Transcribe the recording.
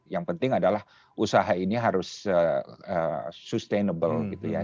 yang penting adalah usaha ini harus sustainable gitu ya